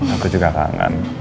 aku juga kangen